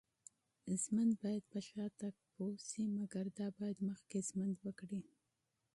ژوند باید په شاتګ پوه شي. مګر دا باید مخکې ژوند وکړي